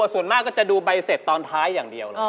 ส่วนมากก็จะดูใบเสร็จตอนท้ายอย่างเดียวเลย